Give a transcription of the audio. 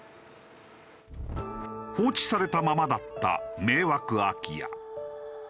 放置されたままだった迷惑空き家。